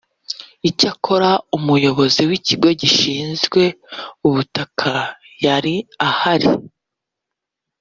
icyakora umuyobozi w’ikigo gishinzwe ubutaka yari ahari